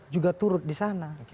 juga turut di sana